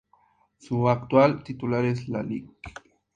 Su actual titular es la Lic.